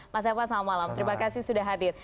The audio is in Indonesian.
mas eva selamat malam terima kasih sudah hadir